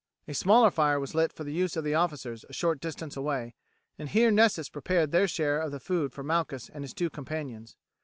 A smaller fire was lit for the use of the officers a short distance away, and here Nessus prepared their share of the food for Malchus and his two companions.